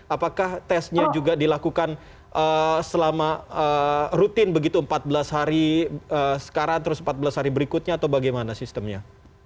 apakah tesnya juga dilakukan selama rutin begitu empat belas hari sekarang terus empat belas hari berikutnya atau bagaimana sistemnya